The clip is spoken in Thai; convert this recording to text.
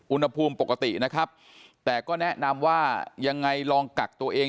อุณหภูมิปกตินะครับแต่ก็แนะนำว่ายังไงลองกักตัวเอง